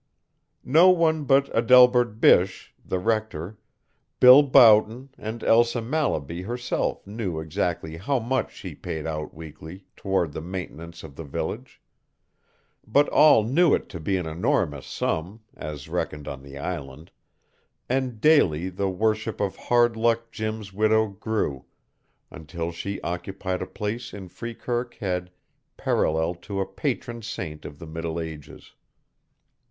No one but Adelbert Bysshe, the rector, Bill Boughton, and Elsa Mallaby herself knew exactly how much she paid out weekly toward the maintenance of the village. But all knew it to be an enormous sum (as reckoned on the island), and daily the worship of Hard Luck Jim's widow grew, until she occupied a place in Freekirk Head parallel to a patron saint of the Middle Ages.